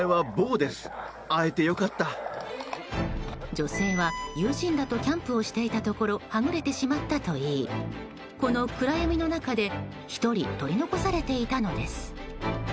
女性は、友人らとキャンプをしていたところはぐれてしまったといいこの暗闇の中で１人取り残されていたのです。